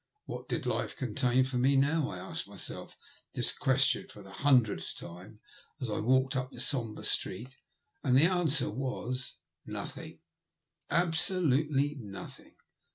What did life contain for me now ? I asked myself this question for the hundredth time, as I walked up the sombre street ; and the answer was, Nothing — absolutely nothing.